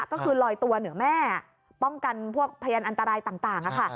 ก็คือลอยตัวเหนือแม่ป้องกันพวกพยานอันตรายต่างค่ะ